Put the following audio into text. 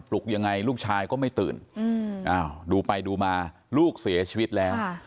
ลุกยังไงลูกชายก็ไม่ตื่นดูไปดูมาลูกเสียชีวิตแล้ว